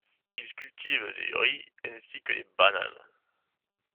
Ils cultivent du riz ainsi que des bananes.